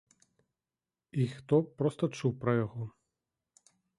І, хто проста чуў пра яго.